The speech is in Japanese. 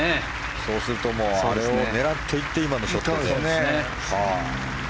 そうするとあれを狙っていって今のショットと。